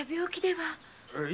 はい。